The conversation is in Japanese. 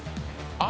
あ！